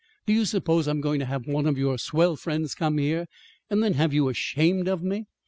"Do you suppose I'm going to have one of your swell friends come here, and then have you ashamed of me?